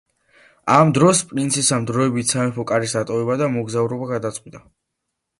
ამ დროს, პრინცესამ დროებით სამეფო კარის დატოვება და მოგზაურობა გადაწყვიტა.